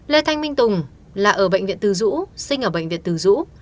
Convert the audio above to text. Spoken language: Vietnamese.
lê thanh minh tùng là ở bệnh viện tư dũ sinh ở bệnh viện từ dũ